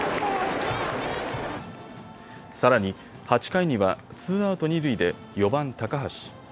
さらに８回にはツーアウト二塁で４番・高橋。